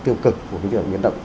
tiêu cực của cái việc biến động